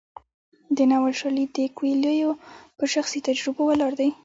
د ناول شالید د کویلیو په شخصي تجربو ولاړ دی.